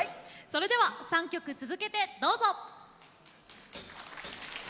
それでは３曲続けてどうぞ。